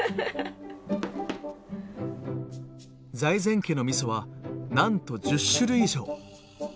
財前家のみそはなんと１０種類以上。